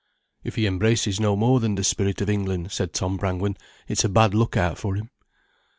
"If he embraces no more than the spirit of England," said Tom Brangwen, "it's a bad look out for him."